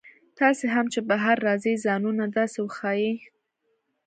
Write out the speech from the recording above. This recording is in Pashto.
تاسي هم چې بهر راځئ ځانونه داسې وښایئ.